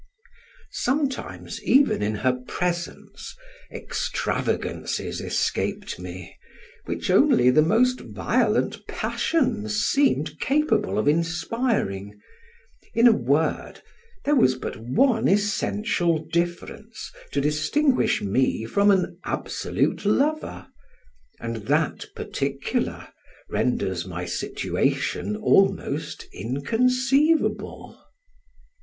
Sometimes even in her presence, extravagancies escaped me, which only the most violent passions seemed capable of inspiring; in a word, there was but one essential difference to distinguish me from an absolute lover, and that particular renders my situation almost inconceivable.